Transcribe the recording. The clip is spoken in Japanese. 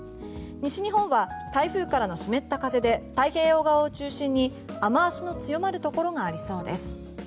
西日本は台風からの湿った風で太平洋側を中心に雨脚の強まるところがありそうです。